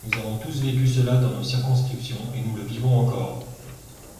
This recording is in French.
Nous avons tous vécu cela dans nos circonscriptions, et nous le vivons encore.